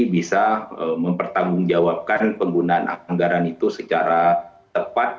bisa mempertanggungjawabkan penggunaan anggaran itu secara tepat